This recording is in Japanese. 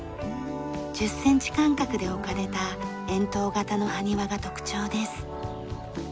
１０センチ間隔で置かれた円筒形の埴輪が特徴です。